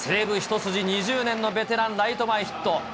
西武一筋２０年のベテラン、ライト前ヒット。